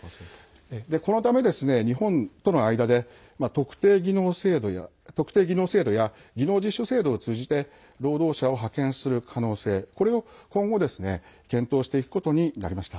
このため、日本との間で特定技能制度や技能実習制度を通じて労働者を派遣する可能性これを今後検討していくことになりました。